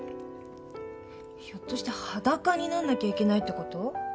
ひょっとして裸になんなきゃいけないってこと？